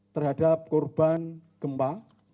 terhadap korban gempa